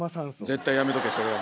絶対やめとけそれは。